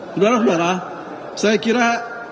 saudara saudara saya kira